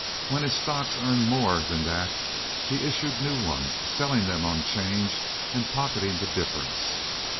When his stocks earned more than that he issued new ones, selling them on 'change and pocketing the difference.